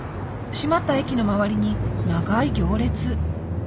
閉まった駅の周りに長い行列。